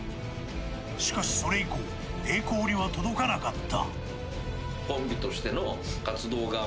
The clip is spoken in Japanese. しかし、それ以降栄光には届かなかった。